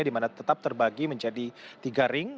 di mana tetap terbagi menjadi tiga ring